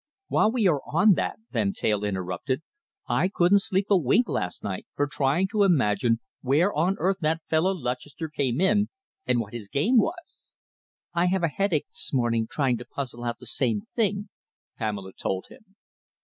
"While we are on that," Van Teyl interrupted, "I couldn't sleep a wink last night for trying to imagine where on earth that fellow Lutchester came in, and what his game was." "I have a headache this morning, trying to puzzle out the same thing," Pamela told him.